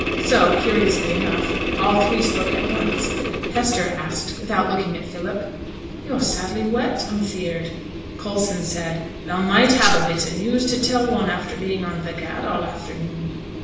So, curiously enough, all three spoke at once. Hester asked (without looking at Philip) 'Yo're sadly wet, I'm feared?' Coulson said 'Thou might have a bit o' news to tell one after being on the gad all afternoon.'